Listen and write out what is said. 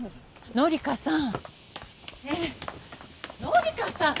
紀香さん。